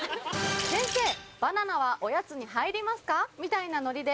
「『先生バナナはおやつに入りますか？』みたいなノリで」。